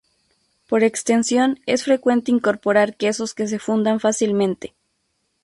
Por extensión es frecuente incorporar quesos que se fundan fácilmente.